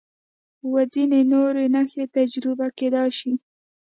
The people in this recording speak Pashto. و ځینې نورې نښې تجربه کېدای شي.